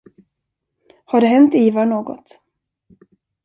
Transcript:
Har det hänt Ivar något?